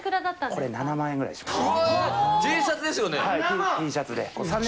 これ、７万円ぐらいしました。